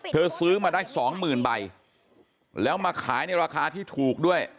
เธอซื้อมาได้๒๐๐๐๐ใบแล้วมาขายในราคาที่ถูกด้วย